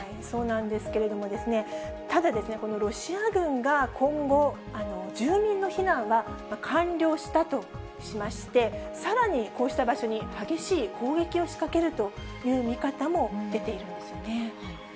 そうなんですけれども、ただ、このロシア軍が今後、住民の避難は完了したとしまして、さらにこうした場所に激しい攻撃を仕掛けるという見方も出ているんですよね。